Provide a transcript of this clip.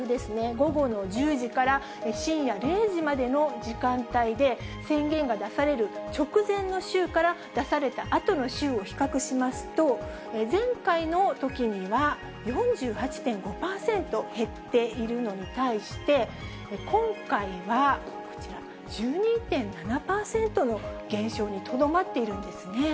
午後の１０時から深夜０時までの時間帯で、宣言が出される直前の週から出されたあとの週を比較しますと、前回のときには、４８．５％減っているのに対して、今回はこちら、１２．７％の減少にとどまっているんですね。